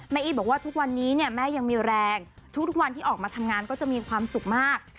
อี้บอกว่าทุกวันนี้เนี่ยแม่ยังมีแรงทุกวันที่ออกมาทำงานก็จะมีความสุขมาก